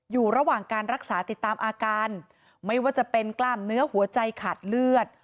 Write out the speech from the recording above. อยู่ระหว่างการรักษาติดตามอาการไม่ว่าจะเป็นกล้ามเนื้อหัวใจขาดเลือด